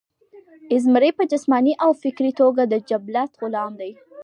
ازمرے پۀ جسماني او فکري توګه د جبلت غلام دے